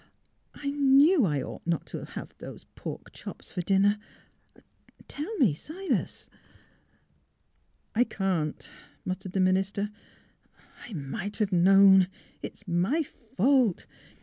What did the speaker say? I knew I ought not to have those pork chops for dinner. ... Tell me, Silas? "'' I — I can't," muttered the minister. '' I might have known — It's my fault.